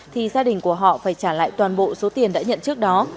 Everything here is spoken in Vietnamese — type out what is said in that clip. thì gia đình của họ phải trả lại toàn bộ số tiền đã nhận trước đó